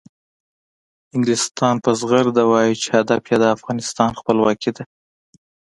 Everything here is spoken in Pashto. انګلستان په زغرده وایي چې هدف یې د افغانستان خپلواکي ده.